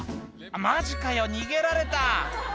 「マジかよ逃げられた」